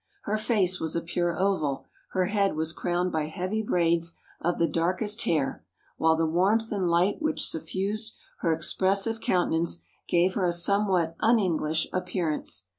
Her face was a pure oval, her head was crowned by heavy braids of the darkest hair, while the warmth and light which suffused her expressive countenance gave her a somewhat un English appearance.